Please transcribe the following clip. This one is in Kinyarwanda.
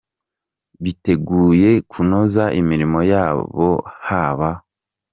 biteguye kunoza imirimo yabo haba.